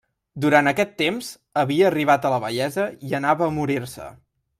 Durant aquest temps, havia arribat a la vellesa i anava a morir-se.